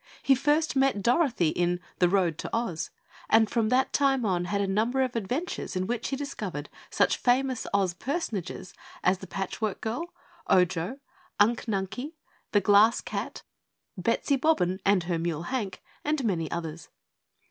He first met Dorothy in "The Road To Oz," and from that time on had a number of adventures in which he discovered such famous Oz personages as the Patchwork Girl, Ojo, Unk Nunkie, the Glass Cat, Betsy Bobbin and her Mule Hank, and many others.